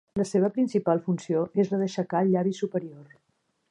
La seva principal funció es la d'aixecar el llavi superior.